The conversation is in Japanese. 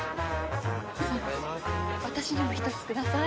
私にも１つください。